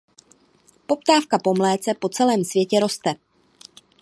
Poptávka po mléce po celém světě roste.